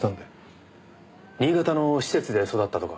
新潟の施設で育ったとか。